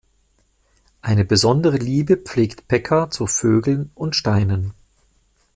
Eine besondere Liebe pflegt Pekka zu Vögeln und Steinen.